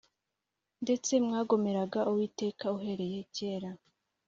Ndetse mwagomeraga uwiteka uhereye kera